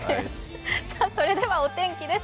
それではお天気です。